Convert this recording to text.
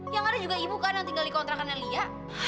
yang ada juga ibu kan yang tinggal di kontrakannya lia